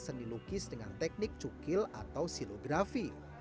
seni lukis dengan teknik cukil atau silografi